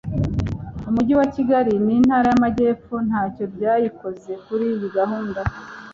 umujyi wa kigali n'intara y'amajyepfo ntacyo byayikoze kuri iyi gahunda